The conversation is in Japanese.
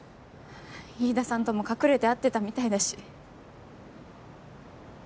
飯田さんとも隠れて会ってたみたいだし。